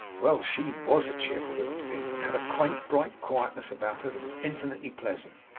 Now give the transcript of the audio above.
Well! she WAS a cheerful little thing; and had a quaint, bright quietness about her that was infinitely pleasant.